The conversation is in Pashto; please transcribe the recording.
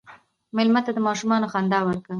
مېلمه ته د ماشومان خندا ورکوه.